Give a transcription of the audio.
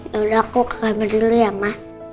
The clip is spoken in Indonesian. yaudah aku ke kamar dulu ya ma